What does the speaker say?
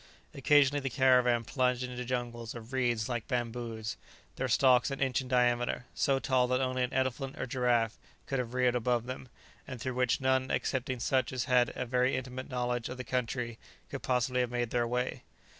Occasionally the caravan plunged into jungles of reeds like bamboos, their stalks an inch in diameter, so tall that only an elephant or giraffe could have reared above them, and through which none excepting such as had a very intimate knowledge of the country could possibly have made their way.